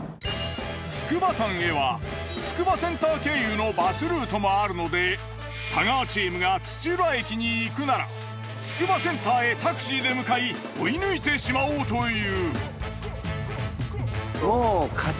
筑波山へはつくばセンター経由のバスルートもあるので太川チームが土浦駅に行くならつくばセンターへタクシーで向かい追い抜いてしまおうという。